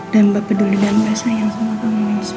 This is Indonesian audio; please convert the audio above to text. dan mbak peduli dan mbak sayang sama kamu semua